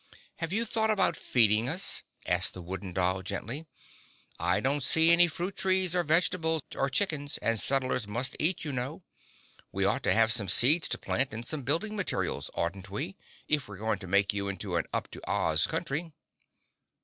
"Have you thought about feeding us?" asked the Wooden Doll gently. "I don't see any fruit trees or vegetables or chickens and settlers must eat, you know. We ought to have some seeds to plant and some building materials, oughtn't we, if we're going to make you into an up to Oz Country?"